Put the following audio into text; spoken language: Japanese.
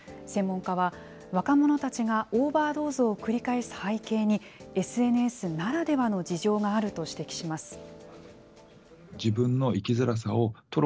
専門家は、若者たちがオーバードーズを繰り返す背景に、ＳＮＳならではの事情があると指摘します。